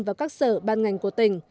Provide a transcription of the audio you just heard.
và các sở ban ngành của tỉnh